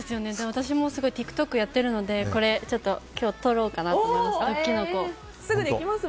私もＴｉｋＴｏｋやっているのでこれ今日、撮ろうかなと思います。